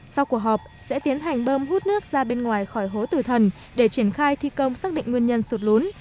sau cuộc họp sẽ tiến hành bơm hút nước ra bên ngoài khỏi hố tử thần để triển khai thi công xác định nguyên nhân sụt lún